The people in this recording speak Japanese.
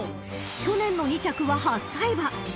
［去年の２着は８歳馬］